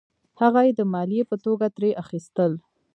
هغه یې د مالیې په توګه ترې اخیستل.